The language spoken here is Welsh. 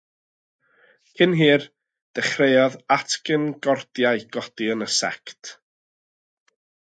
Cyn hir, dechreuodd anghytgordiau godi yn y sect.